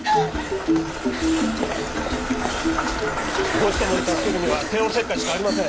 母子ともに助けるには帝王切開しかありません